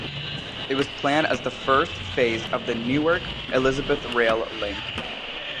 It was planned as the first phase of the Newark-Elizabeth Rail Link.